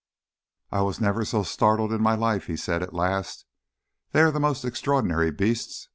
"I never was so startled in my life," he said at last. "They are the most extraordinary beasts.